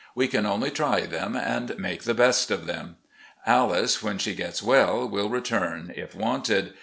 we can only try them and make the best of them. Alice, when she gets well, will return if wanted.